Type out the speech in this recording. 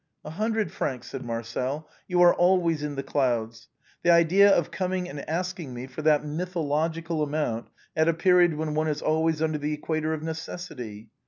"A hundred francs," said Marcel. " You are always in the clouds. The idea of coming and asking me for that mythological amount at a period when one is always under the equator of necessity.